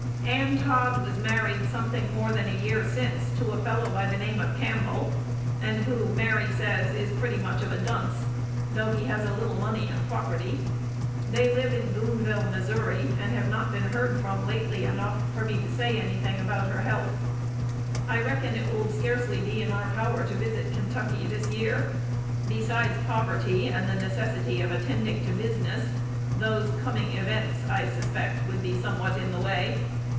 Ann Todd was married something more than a year since to a fellow by the name of Campbell, and who, Mary says, is pretty much of a "dunce," though he has a little money and property. They live in Boonville, Mo., and have not been heard from lately enough for me to say any thing about her health. I reckon it will scarcely be in our power to visit Kentucky this year. Besides poverty and the necessity of attending to business, those "coming events," I suspect, would be somewhat in the way.